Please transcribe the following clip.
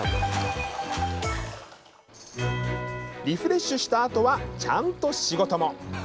リフレッシュしたあとは、ちゃんと仕事も。